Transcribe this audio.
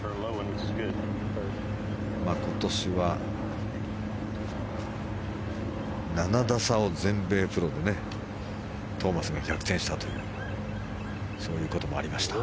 今年は７打差を全米プロでトーマスが逆転したというそういうこともありました。